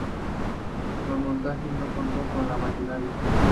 El montaje no contó con maquinaria.